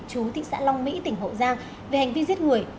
chú thị xã long mỹ tỉnh hậu giang về hành vi giết người